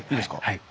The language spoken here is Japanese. はい。